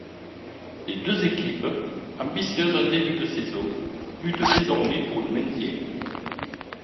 Les deux équipes, ambitieuses en début de saison, luttent désormais pour le maintien.